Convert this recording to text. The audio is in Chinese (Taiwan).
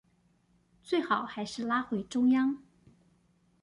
最好還是拉回中央